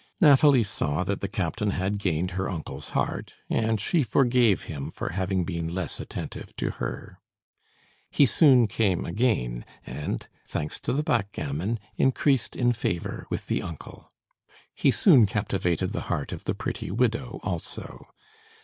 Nathalie saw that the captain had gained her uncle's heart, and she forgave him for having been less attentive to her. He soon came again, and, thanks to the backgammon, increased in favor with the uncle. He soon captivated the heart of the pretty widow, also.